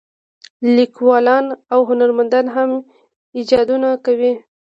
لیکوالان او هنرمندان هم ایجادونه کوي.